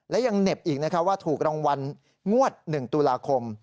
และยังเหน็บอีกว่าถูกรางวัลงวด๑ตุลาคม